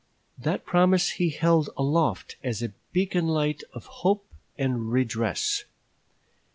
That promise he held aloft as a beacon light of hope and redress.